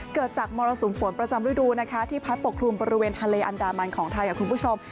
เกิดจากมรสุมฝนประจำฤดูนะคะที่พัดปกคลุมบริเวณทะเลอันดามันของไทยค่ะคุณผู้ชม